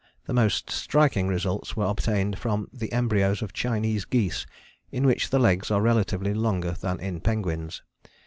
The most striking results were obtained from the embryos of Chinese geese in which the legs are relatively longer than in penguins.